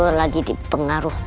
aida itu lagi dipengaruh